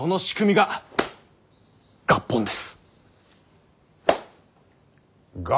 が合本です。